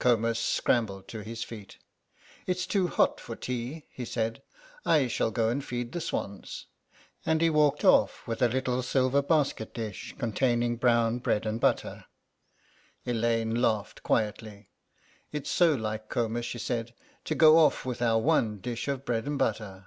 Comus scrambled to his feet. "It's too hot for tea," he said; "I shall go and feed the swans." And he walked off with a little silver basket dish containing brown bread and butter. Elaine laughed quietly. "It's so like Comus," she said, "to go off with our one dish of bread and butter."